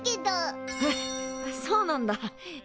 あっそうなんだ。